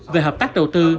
về hợp tác đầu tư